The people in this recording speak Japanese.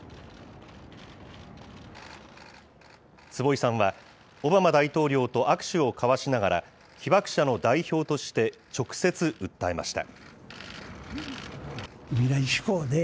坪井さんは、オバマ大統領と握手を交わしながら、被爆者の代表として直接訴えました。